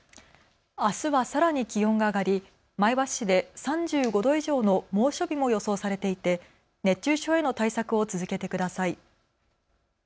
あすはさらに気温が上がり前橋市で３５度以上の猛暑日も予想されていて熱中症への対策を続けてください。